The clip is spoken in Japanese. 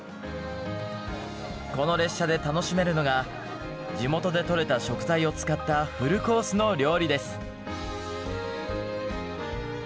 この列車で楽しめるのが地元で採れた食材を使ったフルコースの料理です。